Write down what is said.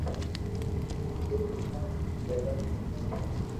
جي دنيا ري ڪجھ جگہ مي رھي ھي